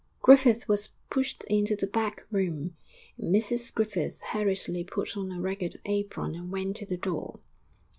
Griffith was pushed into the back room; Mrs Griffith hurriedly put on a ragged apron and went to the door.